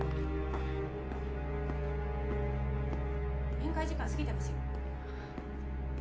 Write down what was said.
面会時間過ぎてますよ。